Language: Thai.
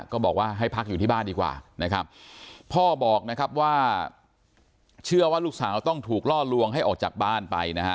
ก็บอกว่าให้พักอยู่ที่บ้านดีกว่านะครับพ่อบอกนะครับว่าเชื่อว่าลูกสาวต้องถูกล่อลวงให้ออกจากบ้านไปนะฮะ